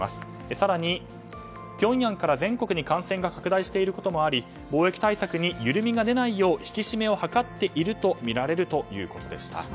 更に、ピョンヤンから全国に感染が拡大していることもあり防疫対策に緩みが出ないよう引き締めを図っているとみられるということでした。